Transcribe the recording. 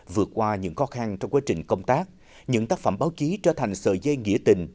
vượt qua những khó khăn trong quá trình công tác những tác phẩm báo chí trở thành sợi dây nghĩa tình